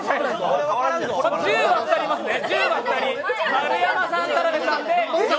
１０が２人いますね。